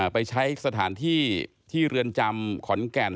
ไปใช้สถานที่ที่เรือนจำขอนแก่น